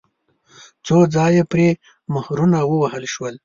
څو ځایه پرې مهرونه ووهل شول.